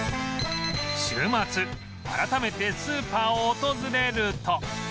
週末改めてスーパーを訪れると